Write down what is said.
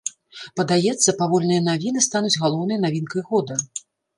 Падаецца, павольныя навіны стануць галоўнай навінкай года.